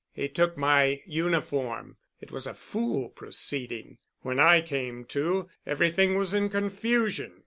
He took my uniform. It was a fool proceeding. When I came to, everything was in confusion.